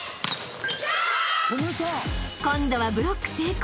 ［今度はブロック成功。